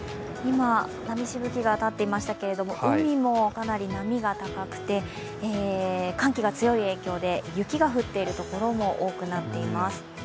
今、波しぶきが立っていましたけれども海もかなり波が高くて寒気が強い影響で雪が降っている所も多くなっています。